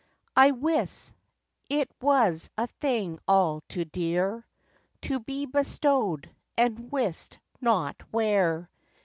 I wis, it was a thing all too dear To be bestowed, and wist not where!